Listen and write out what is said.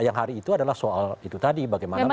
yang hari itu adalah soal itu tadi bagaimana